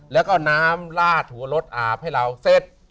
แล้วก็น้ำลาดหัวรถอาบให้เราเสร็จ